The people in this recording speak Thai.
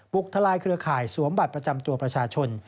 กลายเครือข่ายสวมบัตรประจำตัวประชาชน